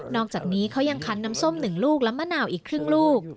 อกจากนี้เขายังคันน้ำส้ม๑ลูกและมะนาวอีกครึ่งลูก